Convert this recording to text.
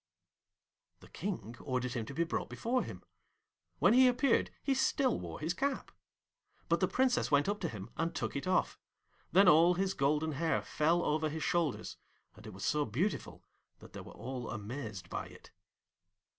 The King ordered him to be brought before him. When he appeared he still wore his cap. But the Princess went up to him and took it off; then all his golden hair fell over his shoulders, and it was so beautiful that they were all amazed by it.